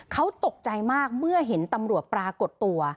เขาตกใจมากเมื่อเห็นตำรวจปรากฏตัว